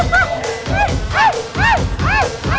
พร้อมแล้วเพลงมา